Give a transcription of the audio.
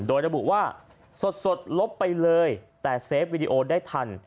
โดยระบุว่าสดลบไปเลยแต่เซฟวิดีโอได้ทัน